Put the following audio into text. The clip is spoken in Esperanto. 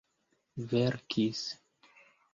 verkis